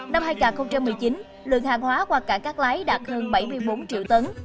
năm hai nghìn một mươi chín lượng hàng hóa qua cảng cát lái đạt hơn bảy mươi bốn triệu tấn